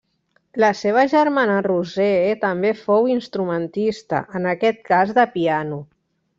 La seva germana Roser també fou instrumentista, en aquest cas de piano.